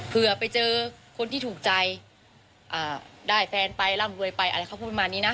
เผื่อไปเจอคนที่ถูกใจอ่าได้แฟนไปร่ำรวยไปอะไรแบบนั้นนะ